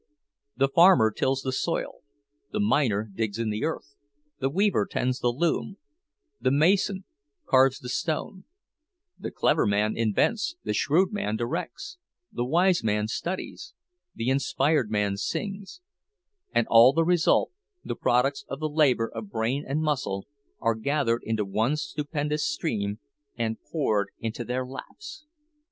The farmer tills the soil, the miner digs in the earth, the weaver tends the loom, the mason carves the stone; the clever man invents, the shrewd man directs, the wise man studies, the inspired man sings—and all the result, the products of the labor of brain and muscle, are gathered into one stupendous stream and poured into their laps!